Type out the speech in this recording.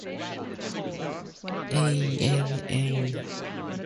In these rotary implements, the affinity laws apply both to centrifugal and axial flows.